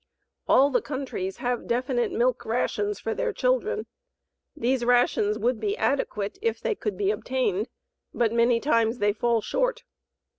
All the countries have definite milk rations for their children. These rations would be adequate if they could be obtained, but many times they fall short.